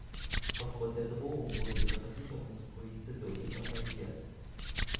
Aufgrund der Drohung wurde Ihre Versicherungspolice soeben annuliert.